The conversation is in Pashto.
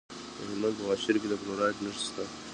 د هلمند په واشیر کې د فلورایټ نښې شته.